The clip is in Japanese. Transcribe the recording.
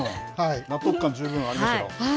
納得感十分ありましたよ。